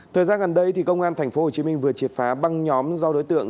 thời gian gần đây công an tp hcm vừa triệt phá băng nhóm do đối tượng